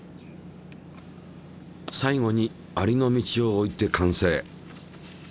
最後にアリの道を置いて完成。